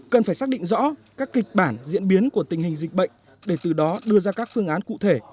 cần phải xác định rõ các kịch bản diễn biến của tình hình dịch bệnh để từ đó đưa ra các phương án cụ thể